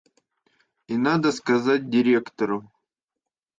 И надо сказать директору.